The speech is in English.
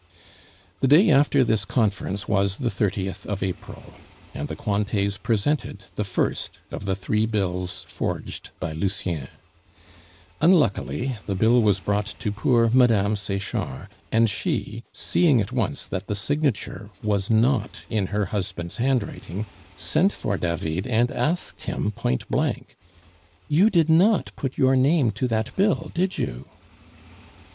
The day after this conference was the 30th of April, and the Cointets presented the first of the three bills forged by Lucien. Unluckily, the bill was brought to poor Mme. Sechard; and she, seeing at once that the signature was not in her husband's handwriting, sent for David and asked him point blank: "You did not put your name to that bill, did you?"